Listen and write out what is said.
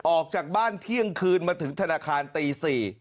ออกจากบ้านเที่ยงคืนมาถึงธนาคารตี๔